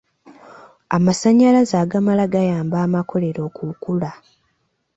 Amasannyalaze agamala gayamba amakolero okukula.